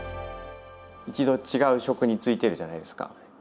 一度違う職に就いてるじゃないですか。